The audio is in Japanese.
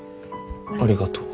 ありがとう。